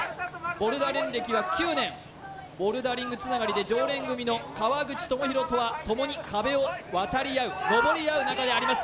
ボルダリング歴は９年ボルダリングつながりで常連組の川口朋広とはともに壁を渡り合うのぼり合う仲であります